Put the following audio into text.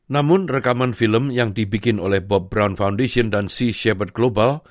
namun rekaman film yang dibikin oleh bob brown foundation dan seafood global